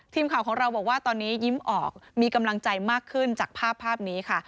ทีมข่าวของเราบอกว่าตอนนี้ยิ้มออกมีกำลังใจมากขึ้นจากภาพภาพนี้ค่ะ